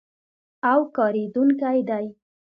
او کارېدونکی دی.